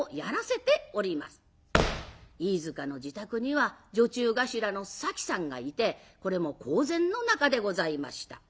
飯塚の自宅には女中頭のさきさんがいてこれも公然の仲でございました。